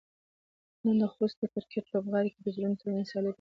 نن د خوست د کرکټ لوبغالي کې د زونونو ترمنځ سيالۍ پيل کيږي.